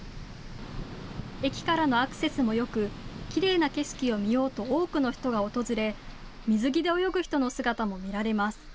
駅からのアクセスもよくきれいな景色を見ようと多くの人が訪れ、水着で泳ぐ人の姿も見られます。